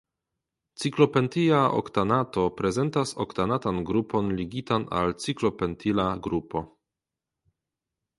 Ciklopentila oktanato prezentas oktanatan grupon ligitan al ciklopentila grupo.